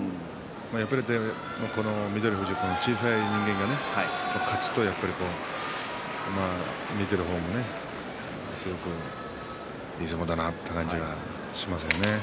やっぱり翠富士小さい人間が勝つという見ている方もすごくいい相撲だなという感じがしますよね。